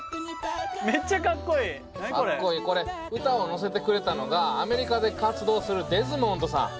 これ歌をのせてくれたのがアメリカで活動するデズモンドさん。